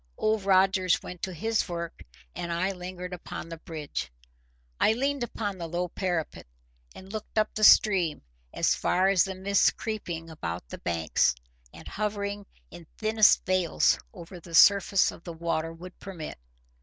Old Rogers went to his work, and I lingered upon the bridge. I leaned upon the low parapet, and looked up the stream as far as the mists creeping about the banks, and hovering in thinnest veils over the surface of the water, would permit.